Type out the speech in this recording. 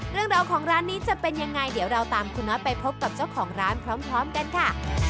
เรื่องราวของร้านนี้จะเป็นยังไงเดี๋ยวเราตามคุณน็อตไปพบกับเจ้าของร้านพร้อมกันค่ะ